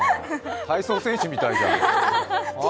体操選手みたいじゃん。